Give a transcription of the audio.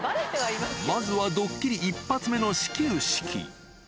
まずはドッキリ一発目の始球式。